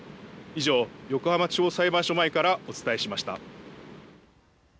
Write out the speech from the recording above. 以上、横浜地方裁判所前からお伝えしました。